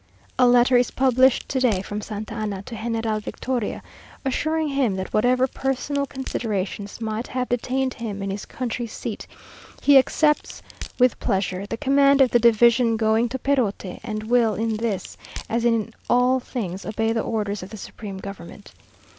A letter is published to day from Santa Anna to General Victoria, assuring him that whatever personal considerations might have detained him in his country seat, he accepts with pleasure the command of the division going to Perote, and will in this, as in all things, obey the orders of the supreme government.